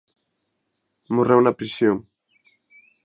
Morreu na prisión.